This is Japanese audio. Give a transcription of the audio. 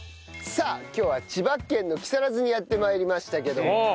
さあ今日は千葉県の木更津にやって参りましたけども。